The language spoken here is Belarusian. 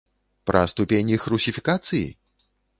Пра ступень іх русіфікацыі?